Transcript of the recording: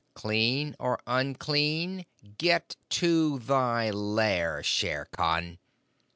Clean or unclean, get to thy lair, Shere Khan!"